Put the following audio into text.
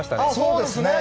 そうですね。